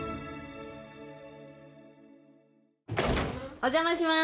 お邪魔します。